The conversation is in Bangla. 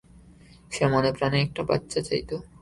সে মনেপ্রাণে একটা বাচ্চা চাইতো।